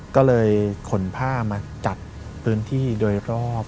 ก็เลยขนผ้ามาจัดพื้นที่โดยรอบ